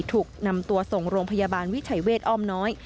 ถูกนำตัวส่งโรงพยาบาลวิชัยเวทอ้อมน้อย